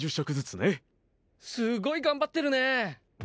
すごい頑張ってるね。